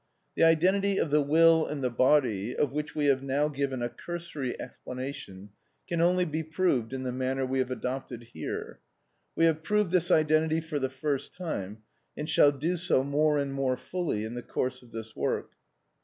The identity of the will and the body, of which we have now given a cursory explanation, can only be proved in the manner we have adopted here. We have proved this identity for the first time, and shall do so more and more fully in the course of this work.